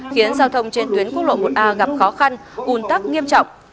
khiến giao thông trên tuyến quốc lộ một a gặp khó khăn un tắc nghiêm trọng